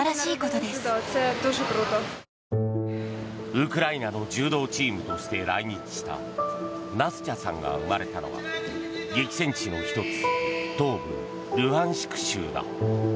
ウクライナの柔道チームとして来日したナスチャさんが生まれたのは激戦地の１つ東部ルハンシク州だ。